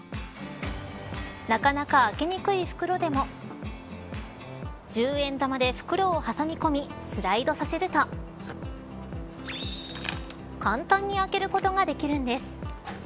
なかなか開けにくい袋でも１０円玉で袋を挟み込みスライドさせると簡単に開けることができるんです。